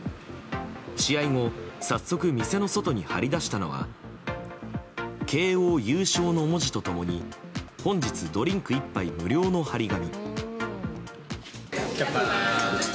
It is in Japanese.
試合後、早速店の外に貼り出したのは「慶應優勝」の文字と共に「本日ドリンク一杯無料」の貼り紙。